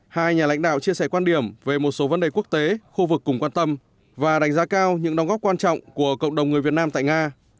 hai nhà lãnh đạo chia sẻ quan điểm về một số vấn đề quốc tế khu vực cùng quan tâm và đánh giá cao những đóng góp quan trọng của cộng đồng người việt nam tại nga